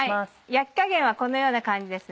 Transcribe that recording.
焼き加減はこのような感じです。